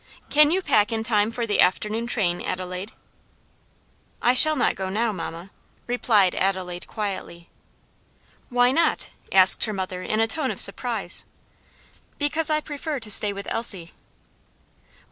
Can you pack in time for the afternoon train, Adelaide?" "I shall not go now, mamma," replied Adelaide quietly. "Why not?" asked her mother in a tone of surprise. "Because I prefer to stay with Elsie."